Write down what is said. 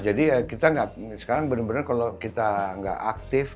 jadi sekarang bener bener kalau kita gak aktif